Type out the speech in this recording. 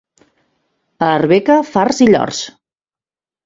A Arbeca, farts i llords.